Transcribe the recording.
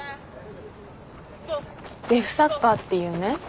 デフサッカーっていうね